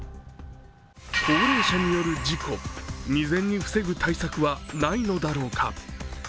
高齢者による事故未然に防ぐ対策はないのだろうか。